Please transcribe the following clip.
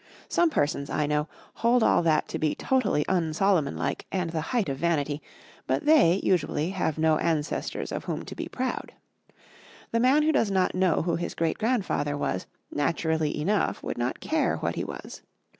Some persons, I know, hold all that to be totally un Solomonlike and the height of vanity, but they, usually, have no ancestors of whom to be proud. The man who does not know who his great grandfather was, naturally enough would not care what he was.